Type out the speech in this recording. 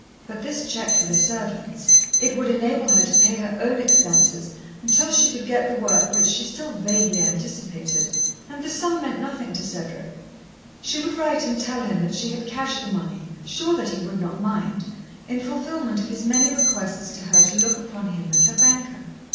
But this cheque for the servants. It would enable her to pay her own expenses until she could get the work which she still vaguely anticipated, and the sum meant nothing to Cedric. She would write and tell him that she had cashed the money, sure that he would not mind, in fulfilment of his many requests to her to look upon him as her banker.